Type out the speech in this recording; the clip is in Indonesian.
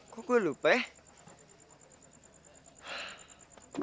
kok gue lupa ya